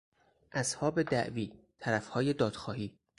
اصحاب دعوی، طرفهای دادخواهی